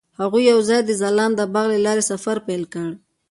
هغوی یوځای د ځلانده باغ له لارې سفر پیل کړ.